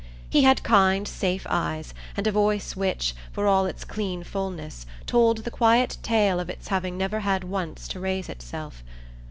He had kind safe eyes, and a voice which, for all its clean fulness, told the quiet tale of its having never had once to raise itself.